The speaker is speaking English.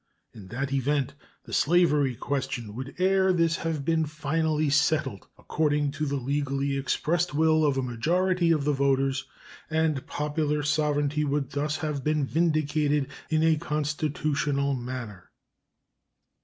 In that event the slavery question would ere this have been finally settled according to the legally expressed will of a majority of the voters, and popular sovereignty would thus have been vindicated in a constitutional manner.